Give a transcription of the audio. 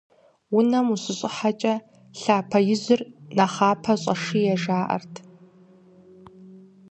Унэм ущыщӀыхьэкӀэ лъапэ ижьыр нэхъапэ щӀэшие, жаӀэрт.